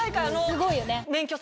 すごいよね。